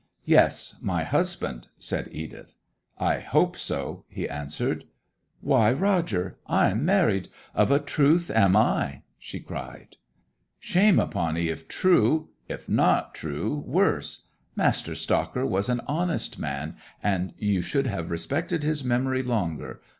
'Yes, my husband,' said Edith. 'I hope so,' he answered. 'Why, Roger, I'm married of a truth am I!' she cried. 'Shame upon 'ee, if true! If not true, worse. Master Stocker was an honest man, and ye should have respected his memory longer.